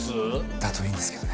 だといいんですけどね。